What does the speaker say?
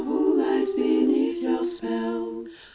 Who lies beneath your spell?